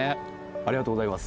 ありがとうございます。